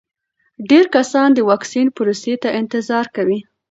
ډېر کسان د واکسین پروسې ته انتظار کوي.